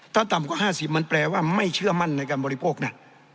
ถ้าต่ำกว่า๕๐มันแปลว่าไม่เชื่อมั่นในการบริโภคนะ